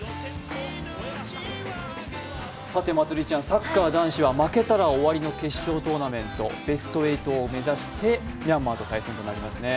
サッカー男子は負けたら終わりの決勝トーナメント、ベスト８を目指してミャンマーと対戦となりますね。